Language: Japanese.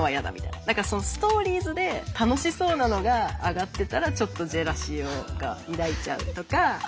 何かストーリーズで楽しそうなのがあがってたらちょっとジェラシーを抱いちゃうとか。